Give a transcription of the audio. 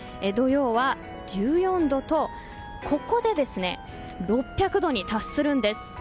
土曜は１４度とここで６００度に達するんです。